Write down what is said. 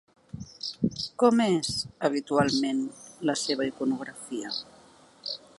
Com és, habitualment, la seva iconografia?